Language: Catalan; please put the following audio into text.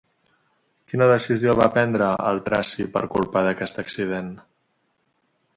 Quina decisió va prendre el traci per culpa d'aquest accident?